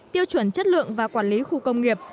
tiêu chuẩn chất lượng và quản lý khu công nghiệp